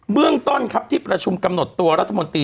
เรื่องต้นครับที่ประชุมกำหนดตัวรัฐมนตรี